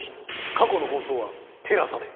過去の放送はＴＥＬＡＳＡで。